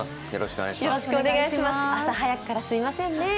朝早くからすいませんね。